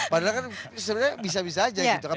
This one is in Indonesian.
padahal kan sebenarnya bisa bisa aja gitu kan